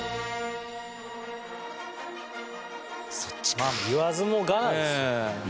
まあ言わずもがなですよ。